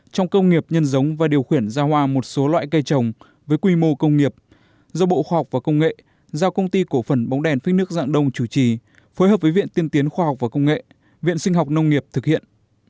trong công nghiệp nhân giống và điều khiển ra hoa một số loại cây trồng với quy mô công nghiệp do bộ khoa học và công nghệ giao công ty cổ phần bóng đèn phích nước dạng đông chủ trì phối hợp với viện tiên tiến khoa học và công nghệ viện sinh học nông nghiệp thực hiện